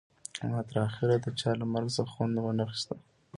ما تر اخره د چا له مرګ څخه خوند ونه خیست